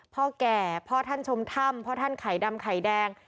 พ่อแก่พ่อท่านชมถ้ำพ่อท่านไข่ดำไข่แดง